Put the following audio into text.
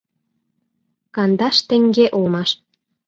Кандаш теҥге улмаш.